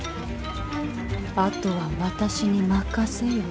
あとは私に任せよ。